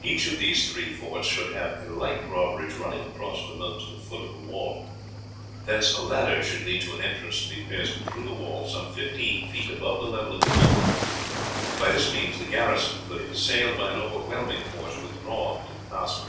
Each of these three forts should have a light drawbridge running across the moat to the foot of the wall, thence a ladder should lead to an entrance to be pierced through the wall, some fifteen feet above the level of the moat; by this means the garrison could, if assailed by an overwhelming force, withdraw into the castle.